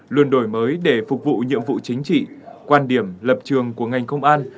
luôn đổi mới để phục vụ nhiệm vụ chính trị quan điểm lập trường của ngành công an